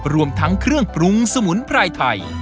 รวมทั้งเครื่องปรุงสมุนไพรไทย